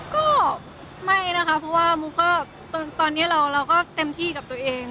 ก็ไม่นะคะเพราะว่ามุกก็ตอนนี้เราก็เต็มที่กับตัวเอง